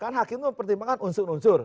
karena hakim itu mempertimbangkan unsur unsur